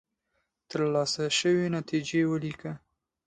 ترلاسه شوې نتیجې ولیکئ.